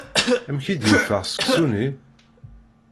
Amek i d-yeffeɣ seksu-nni?